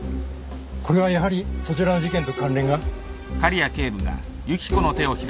これはやはりそちらの事件と関連が？